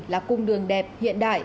là cung đường đẹp hiện đại